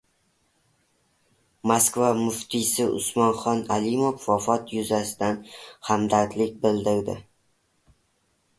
Moskva muftiysi Usmonxon Alimov vafoti yuzasidan hamdardlik bildirdi